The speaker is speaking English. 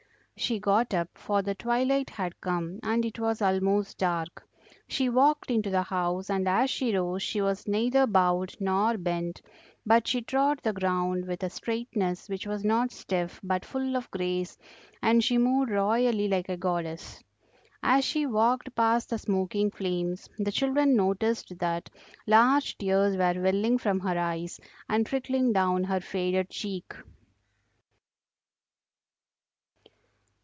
She got up, for the twilight had come and it was almost dark. She walked into the house, and as she rose she was neither bowed nor bent, but she trod the ground with a straightness which was not stiff but full of grace, and she moved royally like a goddess. As she walked past the smoking flames the children noticed that large tears were welling from her eyes and trickling down her faded cheek.